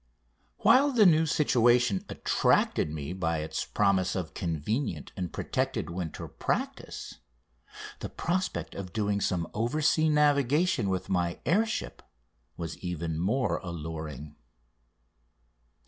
While the new situation attracted me by its promise of convenient and protected winter practice the prospect of doing some oversea navigation with my air ship was even more alluring.